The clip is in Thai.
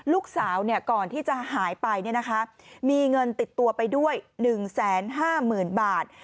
ลูกสาวก่อนที่จะหายไปมีเงินติดตัวไปด้วย๑๕๐๐๐บาท